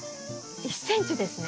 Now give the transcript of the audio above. １ｃｍですね。